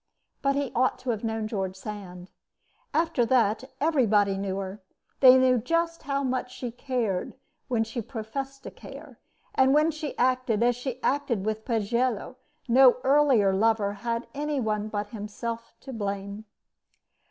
But he ought to have known George Sand. After that, everybody knew her. They knew just how much she cared when she professed to care, and when she acted as she acted with Pagello no earlier lover had any one but himself to blame.